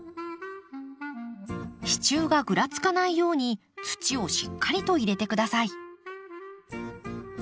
支柱がぐらつかないように土をしっかりと入れて下さい。